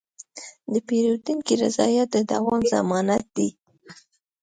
د پیرودونکي رضایت د دوام ضمانت دی.